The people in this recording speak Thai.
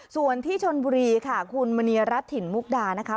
ส่วนที่ชนบุรีค่ะคุณมณีรัฐถิ่นมุกดานะคะ